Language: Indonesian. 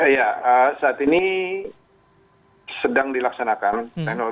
ya saat ini sedang dilaksanakan teknologi